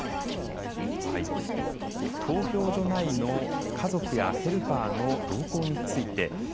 投票所内の家族やヘルパーの同行について。